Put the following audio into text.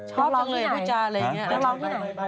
ชอบจังเลยพูดจาอะไรอย่างนี้